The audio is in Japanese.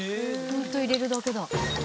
ホント入れるだけだ。